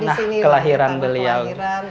tanah kelahiran beliau